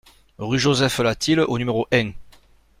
Rue Joseph Latil au numéro un